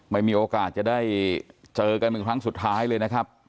มีโอกาสจะได้เจอกันเป็นครั้งสุดท้ายเลยนะครับ